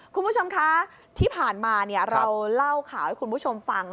คุณผู้ชมคะที่ผ่านมาเราเล่าข่าวให้คุณผู้ชมฟัง